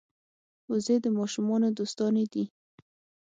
وزې د ماشومانو دوستانې دي